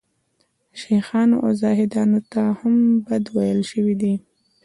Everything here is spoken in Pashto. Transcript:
شیخانو او زاهدانو ته هم بد ویل شوي دي.